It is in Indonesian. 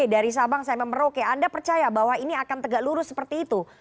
dari sabang sampai merauke anda percaya bahwa ini akan tegak lurus seperti itu